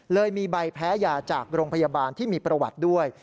เลยมีใบแพ้ยาจากโรงพยาบาลที่มีประวัติด้วย